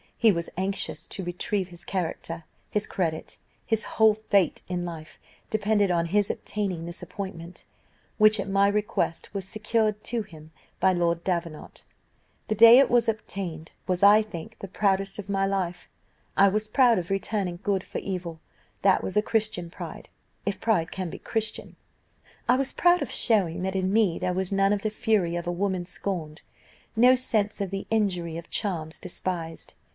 He was anxious to retrieve his character; his credit, his whole fate in life, depended on his obtaining this appointment, which, at my request, was secured to him by Lord Davenant. The day it was obtained was, I think, the proudest of my life. I was proud of returning good for evil; that was a Christian pride, if pride can be Christian. I was proud of showing that in me there was none of the fury of a woman scorned no sense of the injury of charms despised.